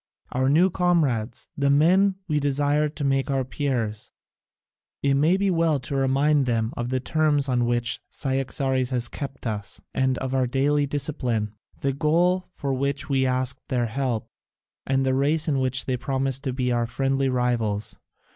Our new comrades, the men we desire to make our peers it may be well to remind them of the terms on which Cyaxares has kept us and of our daily discipline, the goal for which we asked their help, and the race in which they promised to be our friendly rivals.